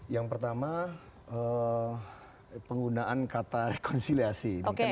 yang pertama penggunaan kata rekonsiliasi